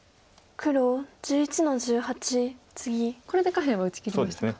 これで下辺は打ちきりましたか。